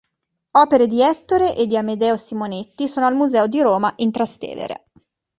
Opere di Ettore e di Amedeo Simonetti sono al Museo di Roma in Trastevere.